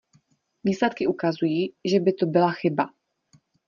Výsledky ukazují, že by to byla chyba.